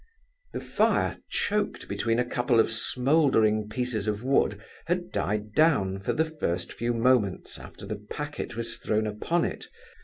The fire, choked between a couple of smouldering pieces of wood, had died down for the first few moments after the packet was thrown upon it.